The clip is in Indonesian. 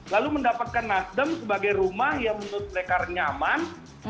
lalu mendapatkan nasdem sebagai rumah yang menurut mereka nyaman